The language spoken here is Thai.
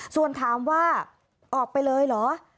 ส่วนถามว่าออกไปเลยเหรอ